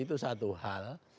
itu satu hal